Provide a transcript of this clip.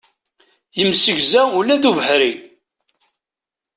Yemsegza ula d ubeḥri.